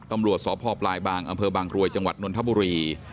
ตำรวจสพปลายบางอำเภอบางกรวยจังหวัดนนทบุรี